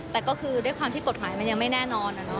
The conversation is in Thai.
แต่ก็คือด้วยความที่กฎหมายมันยังไม่แน่นอน